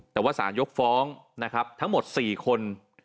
แต่ว่าสารยกฟ้องทั้งหมด๔คน